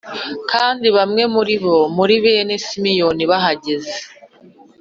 Kandi bamwe muri bo muri bene Simiyoni bahageze